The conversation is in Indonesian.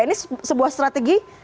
ini sebuah strategi